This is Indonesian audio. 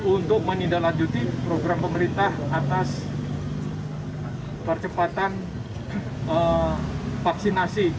untuk menindaklanjuti program pemerintah atas percepatan vaksinasi